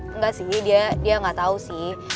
enggak sih dia gak tau sih